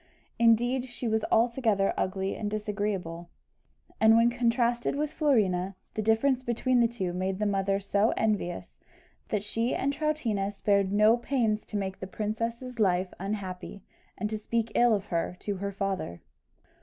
Indeed, she was altogether ugly and disagreeable; and when contrasted with Florina, the difference between the two made the mother so envious, that she and Troutina spared no pains to make the princess's life unhappy, and to speak ill of her to her father.